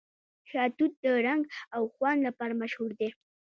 شاه توت د رنګ او خوند لپاره مشهور دی.